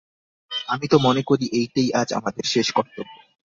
আমি তো মনে করি এইটেই আজ আমাদের শেষ কর্তব্য।